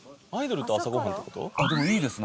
あっでもいいですね